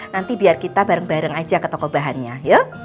nanti biar kita bareng bareng aja ke toko bahannya yuk